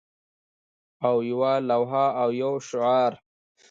او یوه لوحه او یو شعار